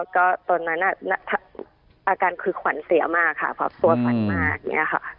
ก็ตอนนั้นอาการคือขวัญเสียมากค่ะเพราะตัวขวัญมากอย่างนี้ค่ะ